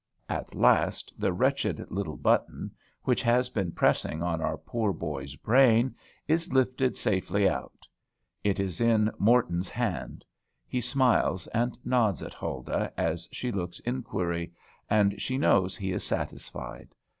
At last the wretched little button, which has been pressing on our poor boy's brain, is lifted safely out. It is in Morton's hand; he smiles and nods at Huldah as she looks inquiry, and she knows he is satisfied.